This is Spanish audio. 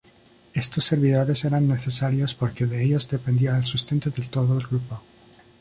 Estos servidores eran necesarios porque de ellos dependía el sustento de todo el grupo.